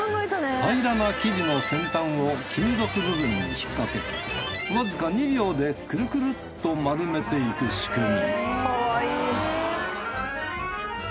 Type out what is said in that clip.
平らな生地の先端を金属部分に引っ掛けわずか２秒でクルクルっと丸めていく仕組み